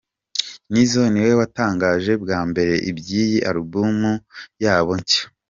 Nizzo niwe watangaje bwa mbere iby'iyi Album yabo nshya.